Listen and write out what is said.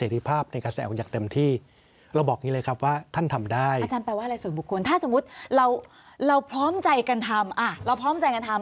เราพร้อมใจกันทำเราพร้อมใจกันทำ